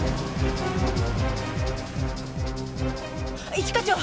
一課長！